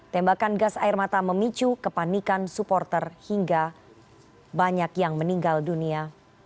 tembakan gas air mata memicu kepanikan supporter hingga banyak yang meninggal dunia